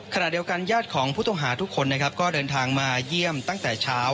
เครื่องเล่ากันยาดของผู้ต้องหาทุกคนคือตั้งแต่เช้า